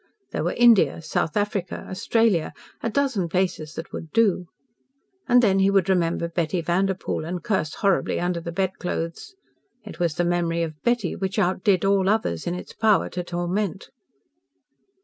There were India, South Africa, Australia a dozen places that would do. And then he would remember Betty Vanderpoel, and curse horribly under the bed clothes. It was the memory of Betty which outdid all others in its power to torment.